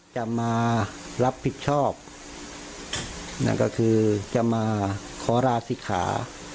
จะมารับผิดชอบนั่นก็คือจะมาขอราศิกขา